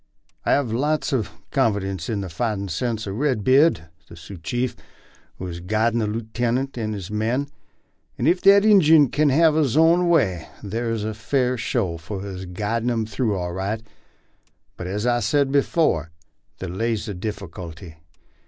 I have lots uv confidence in the fightin' sense of Red Bead the Sioux chief, who is guidin' the lootenint and his men, and ef that Injun kin have his own way thar is a fair show for his guidin' 'em through all right ; but as I sed before, there lays the difficulty.